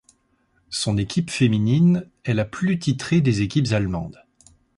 Son équipe féminine est la plus titrée des équipes allemandes.